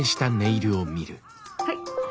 はい。